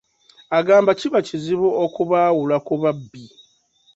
Agamba kiba kizibu okubaawula ku babbi.